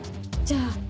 じゃあ。